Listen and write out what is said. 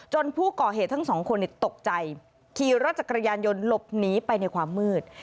ผู้ก่อเหตุทั้งสองคนตกใจขี่รถจักรยานยนต์หลบหนีไปในความมืด